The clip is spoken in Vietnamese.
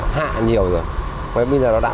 hạ nhiều rồi bây giờ nó đã